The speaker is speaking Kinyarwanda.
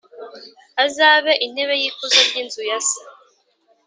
azabe intebe y’ikuzo ry’inzu ya se.